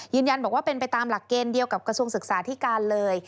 ยืนยันบอกว่าเป็นไปตามหลักเกณฑ์เดียวกับกระทรวงศึกษาธิการเลย